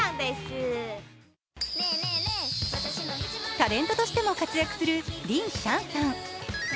タレントとしても活躍するリン・シャンさん。